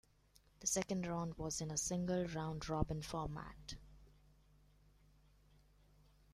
The second round was in a single round-robin format.